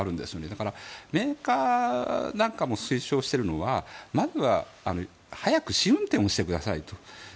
だから、メーカーなんかも推奨しているのはまずは早く試運転をしてくださいと。